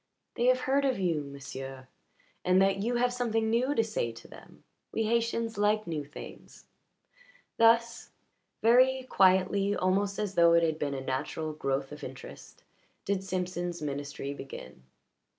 "They have heard of you, m'sieu' and that you have something new to say to them. We Haytians like new things." Thus, very quietly, almost as though it had been a natural growth of interest, did Simpson's ministry begin.